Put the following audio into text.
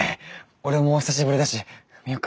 俺も久しぶりだし見よっか。